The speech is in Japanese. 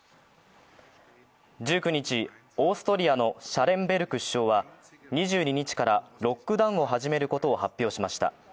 １９日、オーストリアのシャレンベルク首相は２２日からロックダウンを始めることを発表しました。